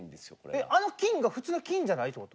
えっあの金が普通の金じゃないってこと？